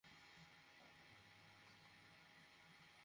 পরে অস্ত্র দেখিয়ে চাঁদা দাবি করেন এবং কাজ বন্ধ করে দেন।